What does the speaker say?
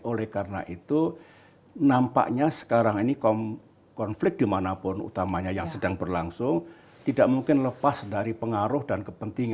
oleh karena itu nampaknya sekarang ini konflik dimanapun utamanya yang sedang berlangsung tidak mungkin lepas dari pengaruh dan kepentingan